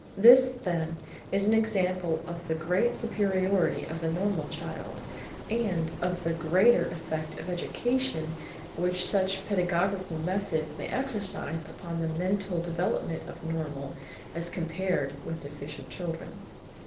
This, then, is an example of the great superiority of the normal child, and of the greater effect of education which such pedagogical methods may exercise upon the mental development of normal as compared with deficient children.